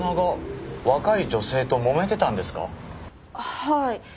はい。